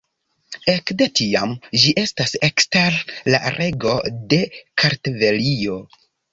Ekde tiam, ĝi estas ekster la rego de Kartvelio.